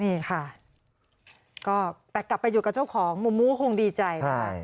นี่ค่ะก็แต่กลับไปอยู่กับเจ้าของมุมมูคงดีใจนะคะ